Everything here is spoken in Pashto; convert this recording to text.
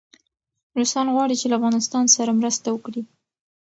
روسان غواړي چي له افغانستان سره مرسته وکړي.